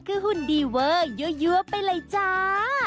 คือหุ่นดีเวอร์ยั่วไปเลยจ้า